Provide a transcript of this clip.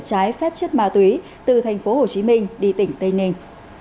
trái phép chất ma túy từ thành phố hồ chí minh đi tỉnh tây ninh